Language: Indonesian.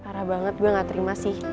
parah banget gue gak terima sih